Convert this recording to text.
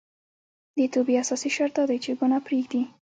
د توبې اساسي شرط دا دی چې ګناه پريږدي